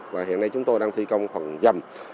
và hiện nay chúng tôi đang thi công phần dầm